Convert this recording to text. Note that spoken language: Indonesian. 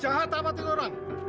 jahat amat ini orang